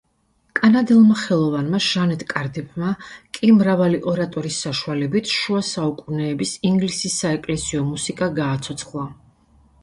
კანადელმა ხელოვანმა ჟანეტ კარდიფმა, კი მრავალი ორატორის საშუალებით, შუა საუკუნეების ინგლისის საეკლესიო მუსიკა გააცოცხლა.